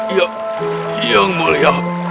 ya yang mulia